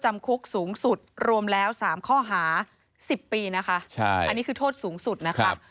อันนี้คือโทษสูงสุดนะครับ